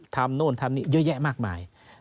โน่นทำนี่เยอะแยะมากมาย